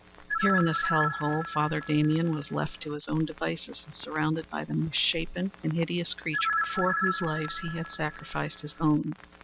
Here in this hell hole Father Damien was left to his own devices and surrounded by the misshapen and hideous creatures for whose lives he had sacrificed his own.